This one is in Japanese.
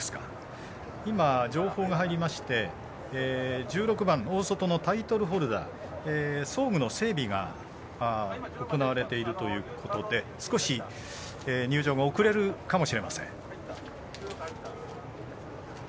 今、情報が入りまして１６番、大外のタイトルホルダー整備が行われているということで少し入場が遅れるかもしれません。